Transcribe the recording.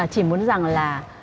chỉ muốn rằng là